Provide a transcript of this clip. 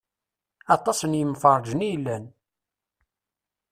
Aṭas n yemferrǧen i yellan.